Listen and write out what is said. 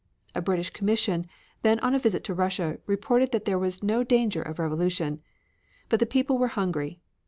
A British Commission, then on a visit to Russia, reported that there was no danger of revolution. But the people were hungry.